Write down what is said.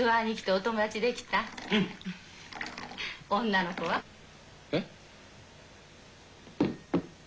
女の子は？えっ？